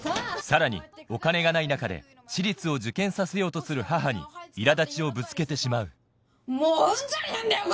さらにお金がない中で私立を受験させようとする母にいら立ちをぶつけてしまうもううんざりなんだよ！